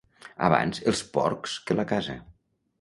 Abans els porcs que la casa.